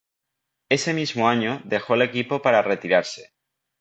Ese mismo año dejó el equipo para retirarse.